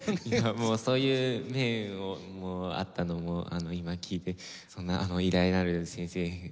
もうそういう面もあったのも今聞いてそんな偉大なる先生